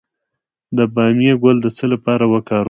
د بامیې ګل د څه لپاره وکاروم؟